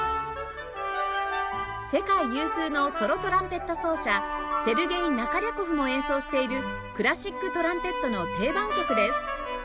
世界有数のソロトランペット奏者セルゲイ・ナカリャコフも演奏しているクラシックトランペットの定番曲です